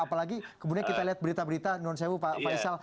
apalagi kita lihat berita berita